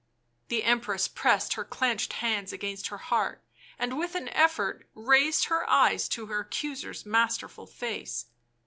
The Empress pressed her clenched hands against her heart and, with an effort, raised her eyes to her accuser's masterful face.